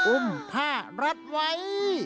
อุ้มผ้ารัดไว้